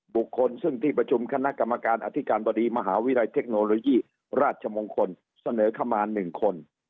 บุคคลซึ่งที่ประชุมคณะกรรมการอธิการบดีมหาวิทยาลัยเทคโนโลยีราชมงคลเสนอเข้ามา๑คน